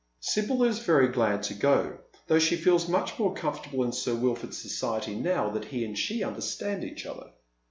Sibyl is very glad to go, though she feels much more comfort able in Sir Wilford's society now that he and she understand each other.